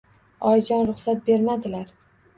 Oyijon, ruxsat bermadilar